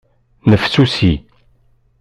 Nnefsusi.